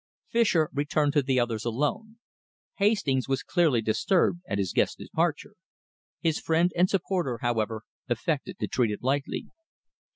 Fischer returned to the others alone. Hastings was clearly disturbed at his guest's departure. His friend and supporter, however, affected to treat it lightly.